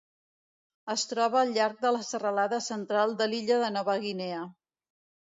Es troba al llarg de la serralada Central de l'illa de Nova Guinea.